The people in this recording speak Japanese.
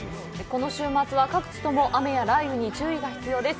この週末は、各地とも雨や雷雨に注意が必要です。